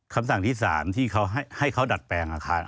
คำสั่งที่๓ที่เขาให้เขาดัดแปลงอาคาร